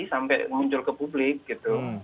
sampai muncul ke publik gitu